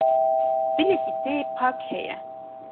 Dilekî te yê pak heye.